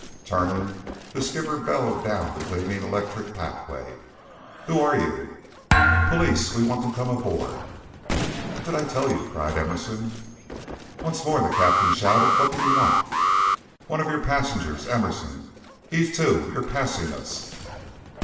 Turning, the skipper bellowed down the gleaming electric pathway, "Who are you?" "Police! We want to come aboard." "What did I tell you?" cried Emerson. Once more the Captain shouted: "What do you want?" "One of your passengers Emerson. Heave to. You're passing us."